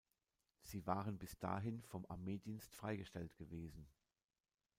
Sie waren bis dahin vom Armeedienst freigestellt gewesen.